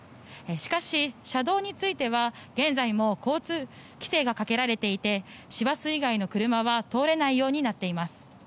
しかし、車道については現在も交通規制がかけられていて市バス以外の車は通れないようになっています。